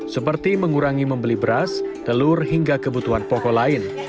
seperti mengurangi membeli beras telur hingga kebutuhan pokok lain